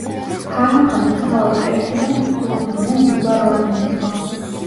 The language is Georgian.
ჰარამხანის მთავარი პერსონა თვით სულთანი ან დიდგვაროვანი იყო.